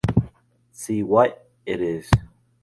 See what it is.